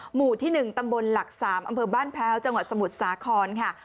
หมู่ที่๑ตำบลหลัก๓อำเภอบ้านแพ้วจังหวัดสมุทรสาครค่ะ